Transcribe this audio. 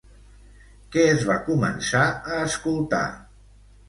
Què es va començar a escoltar?